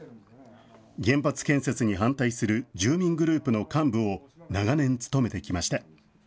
原発建設に反対する住民グループの幹部を長年務めてきました。